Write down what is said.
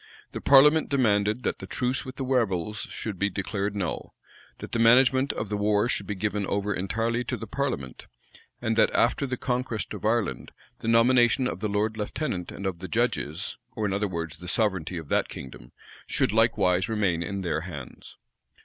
The parliament demanded, that the truce with the rebels should be declared null; that the management of the war should be given over entirely to the parliament; and that, after the conquest of Ireland, the nomination of the lord lieutenant and of the judges, or in other words the sovereignty of that kingdom, should likewise remain in their hands.